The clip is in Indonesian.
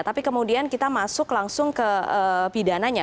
tapi kemudian kita masuk langsung ke pidananya